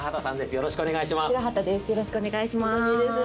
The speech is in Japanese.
よろしくお願いします。